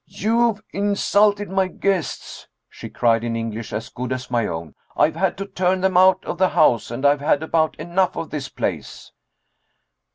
"You've insulted my guests!" she cried, in English as good as my own. "I've had to turn them out of the house, and I've had about enough of this place."